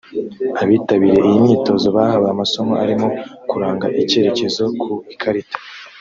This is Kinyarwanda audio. Abitabiriye iyi myitozo bahawe amasomo arimo kuranga icyerekezo ku ikarita